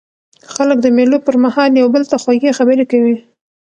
خلک د مېلو پر مهال یو بل ته خوږې خبري کوي.